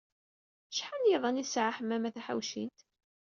Acḥal n yiyḍan ay tesɛa Ḥemmama Taḥawcint?